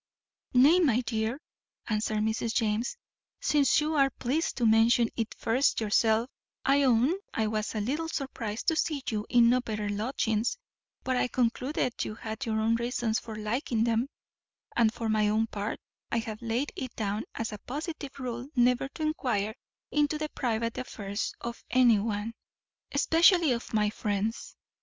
"Nay, my dear," answered Mrs. James, "since you are pleased to mention it first yourself, I own I was a little surprized to see you in no better lodgings; but I concluded you had your own reasons for liking them; and, for my own part, I have laid it down as a positive rule never to enquire into the private affairs of any one, especially of my friends.